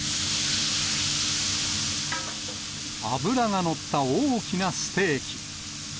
脂が乗った大きなステーキ。